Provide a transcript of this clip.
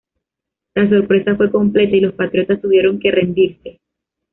La sorpresa fue completa y los patriotas tuvieron que rendirse.